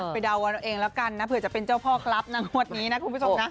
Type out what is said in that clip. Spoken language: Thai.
เดากันเอาเองแล้วกันนะเผื่อจะเป็นเจ้าพ่อครับนะงวดนี้นะคุณผู้ชมนะ